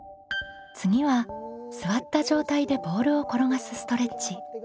次は座った状態でボールを転がすストレッチ。